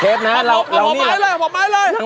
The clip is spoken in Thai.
เชฟนะเอาไหมเหรออร่อย